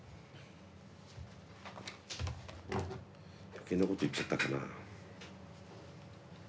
余計なこと言っちゃったかなあ？